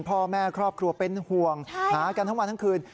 พ่อแม่ครอบครัวเป็นห่วงหากันทั้งวันทั้งคืน